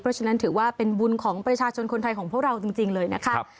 เพราะฉะนั้นถือว่าเป็นบุญของประชาชนคนไทยของพวกเราจริงเลยนะคะ